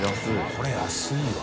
これ安いわ。